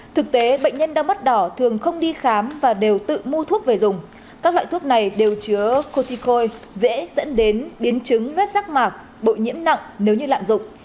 thực tế bệnh nhân đau mắt đỏ thường không đi khám và đều tự mua thuốc về dùng các loại thuốc này đều chứa corticoid dễ dẫn đến biến chứng rết rác mạc bội nhiễm nặng nếu như lạm dụng